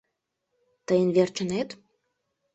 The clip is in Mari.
Тийын верчынет?